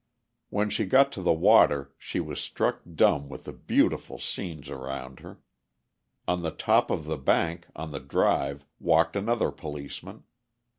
When she got to the water, she was struck dumb with the beautiful scenes around her. On the top of the bank, on the drive, walked another policeman.